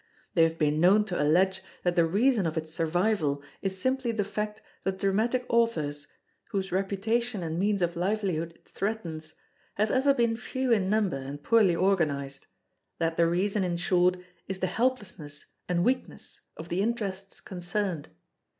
They have been known to allege that the reason of its survival is simply the fact that Dramatic Authors, whose reputation and means of livelihood it threatens, have ever been few in number and poorly organised—that the reason, in short, is the helplessness and weakness of the interests concerned.